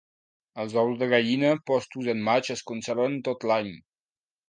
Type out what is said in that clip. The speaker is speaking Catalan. Els ous de gallina postos en maig es conserven tot l'any.